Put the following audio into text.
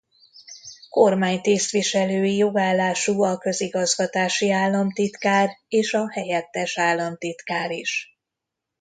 Kormánytisztviselői jogállású a közigazgatási államtitkár és a helyettes államtitkár is.